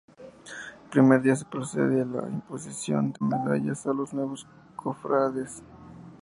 El primer día se procede a la imposición de medallas a los nuevos cofrades.